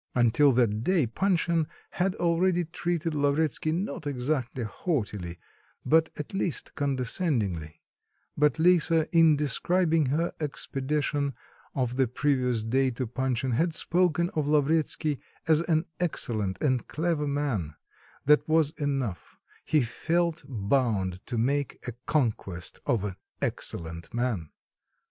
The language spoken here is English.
Until that day, Panshin had always treated Lavretsky, not exactly haughtily, but at least condescendingly; but Lisa, in describing her expedition of the previous day to Panshin, had spoken of Lavretsky as an excellent and clever man, that was enough; he felt bound to make a conquest of an "excellent man."